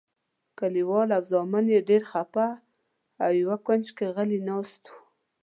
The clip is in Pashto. کلیوال او زامن یې ډېر خپه او یو کونج کې غلي ناست وو.